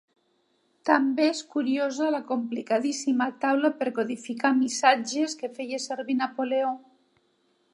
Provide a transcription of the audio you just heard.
També és curiosa la complicadíssima taula per codificar missatges que feia servir Napoleó.